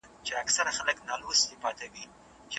هغه شرکت چې پانګونه کوي پرمختګ غواړي.